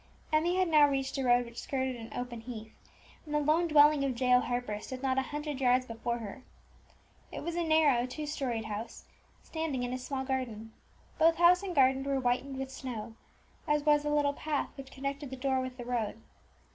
Emmie had now reached a road which skirted an open heath, and the lone dwelling of Jael Harper stood not a hundred yards before her. It was a narrow, two storied house, standing in a small garden; both house and garden were whitened with snow, as was the little path which connected the door with the road.